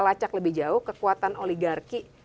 lacak lebih jauh kekuatan oligarki